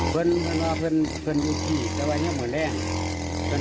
เพื่อนเพื่อนว่าเพื่อนเพื่อนอยู่ที่แต่ว่าเนี้ยเหมือนแหล่งเพื่อน